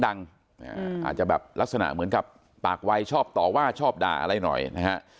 อาจจะแบบลักษณะเหมือนกับปากวัยชอบต่อว่าชอบด่าอะไรหน่อยนะฮะ